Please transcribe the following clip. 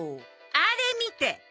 あれ見て！